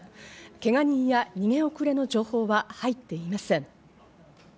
けが人や逃げ遅れの情報は入っていません。